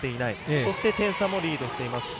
そして点差もリードしていますし。